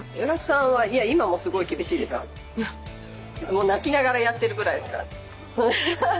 もう泣きながらやってるぐらいだから。